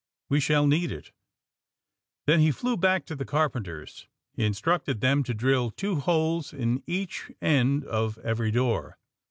We shall need if Then he flew back to the carpenters. He in structed them to drill two holes in each end of every door.